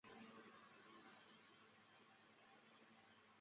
这是送葬者自第三十届摔角狂热大赛以来首次亮相。